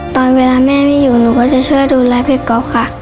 ตอนเวลาแม่ไม่อยู่หนูก็จะช่วยดูแลพี่ก๊อฟค่ะ